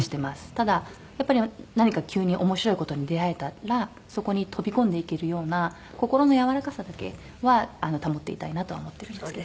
ただやっぱり何か急に面白い事に出会えたらそこに飛び込んでいけるような心のやわらかさだけは保っていたいなとは思ってるんですけど。